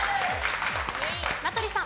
名取さん。